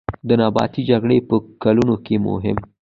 د نیابتي جګړې په کلونو کې هم.